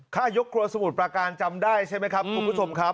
ยกครัวสมุทรประการจำได้ใช่ไหมครับคุณผู้ชมครับ